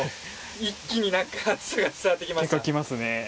一気に熱さが伝わってきました。